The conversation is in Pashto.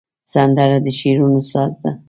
سندره د شعرونو ساز ده